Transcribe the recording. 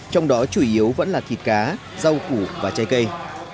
trong đó chủ yếu vẫn là thịt cá rau củ và trái cây